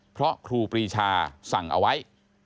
เพราะครูปรีชาสั่งเอาไว้